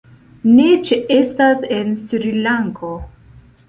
Ne ĉeestas en Srilanko.